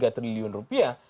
dua tiga triliun rupiah